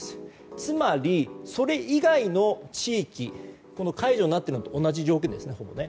つまり、それ以外の地域解除になっているのと同じ条件ですね